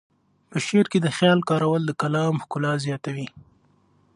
په شعر کې د خیال کارول د کلام ښکلا زیاتوي.